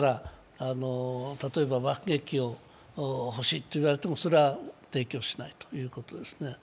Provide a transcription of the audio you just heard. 例えば爆撃機を欲しいと言われてもそれは提供しないということですね。